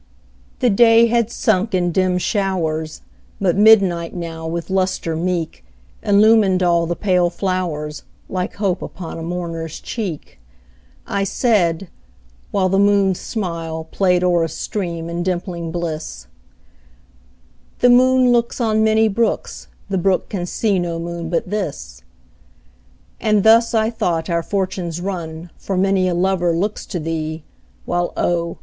The day had sunk in dim showers, But midnight now, with lustre meek, Illumined all the pale flowers, Like hope upon a mourner's cheek.I said (whileThe moon's smilePlay'd o'er a stream, in dimpling bliss),The moon looksOn many brooks, The brook can see no moon but this; And thus, I thought, our fortunes run, For many a lover looks to thee, While oh!